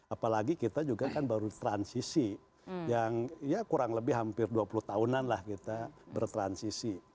apalagi kita juga kan baru transisi yang ya kurang lebih hampir dua puluh tahunan lah kita bertransisi